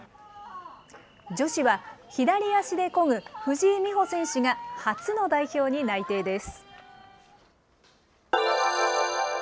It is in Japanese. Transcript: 女子は、左足でこぐ藤井美穂選手が、初の代表に内定です。